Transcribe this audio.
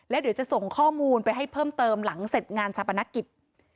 แล้วเดี๋ยวจะส่งข้อมูลไปให้เพิ่มเติมหลังเสร็จงานชาปนกิจ